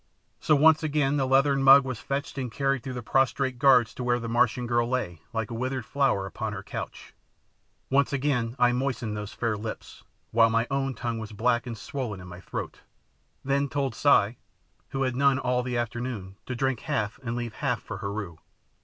So once again the leathern mug was fetched and carried through the prostrate guards to where the Martian girl lay, like a withered flower, upon her couch. Once again I moistened those fair lips, while my own tongue was black and swollen in my throat, then told Si, who had had none all the afternoon, to drink half and leave half for Heru.